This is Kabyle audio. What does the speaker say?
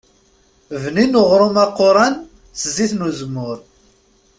Bnin uɣrum aquran s zzit n uzemmur.